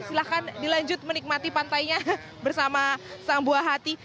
silahkan dilanjut menikmati pantainya bersama sang buah hati